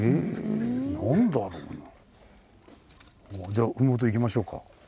じゃあ麓行きましょうか。